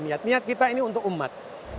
niat niat kita ini untuk umat